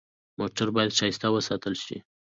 موټر باید ښایسته وساتل شي.